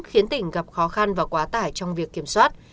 khiến tỉnh gặp khó khăn và quá tải trong việc kiểm soát